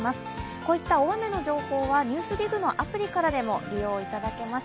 こういった大雨の情報は「ＮＥＷＳＤＩＧ」のアプリからもご利用いただけます。